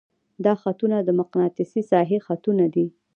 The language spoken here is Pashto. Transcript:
دا خطونه د مقناطیسي ساحې خطونه دي.